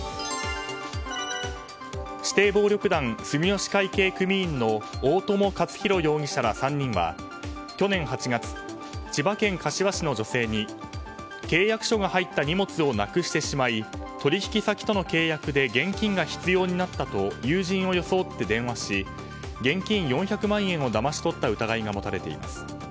指定暴力団住吉会系組員の大友克洋容疑者ら３人は去年８月、千葉県柏市の女性に契約書が入った荷物をなくしてしまい取引先との契約で現金が必要になったと友人を装って電話し現金４００万円をだまし取った疑いが持たれています。